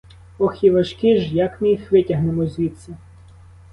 Ох і важкі ж, як ми їх витягнемо звідси?